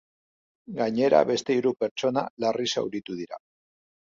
Gainera, beste hiru pertsona larri zauritu dira.